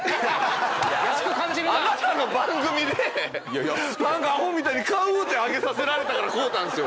あなたの番組でアホみたいに買うって挙げさせられたから買うたんですよ。